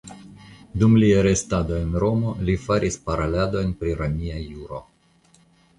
Dum lia restado en Romo li faris paroladojn pri romia juro.